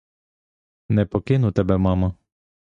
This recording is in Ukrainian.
Не покину тебе, мамо!